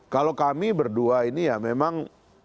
kalau kami berdua ini ya memang